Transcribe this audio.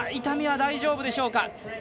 痛みは大丈夫でしょうか。